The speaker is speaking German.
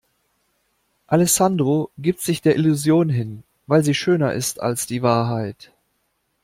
Alessandro gibt sich der Illusion hin, weil sie schöner ist als die Wahrheit.